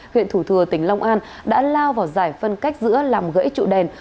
huyện thủ thừa tỉnh long an đã lao vào giải phân cách giữa làm gãy trụ đèn